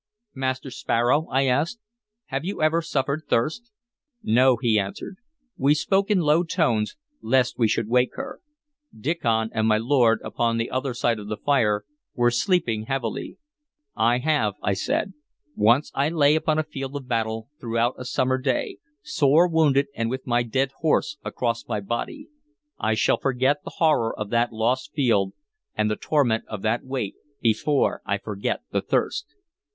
"Master Sparrow," I asked, "have you ever suffered thirst?" "No," he answered. We spoke in low tones, lest we should wake her. Diccon and my lord, upon the other side of the fire, were sleeping heavily. "I have," I said. "Once I lay upon a field of battle throughout a summer day, sore wounded and with my dead horse across my body. I shall forget the horror of that lost field and the torment of that weight before I forget the thirst."